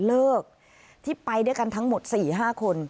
เลิกที่ไปทั้งหมด๔๕คน